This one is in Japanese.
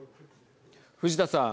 藤田さん。